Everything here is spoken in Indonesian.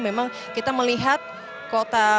memang kita melihat kota